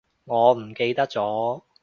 我唔記得咗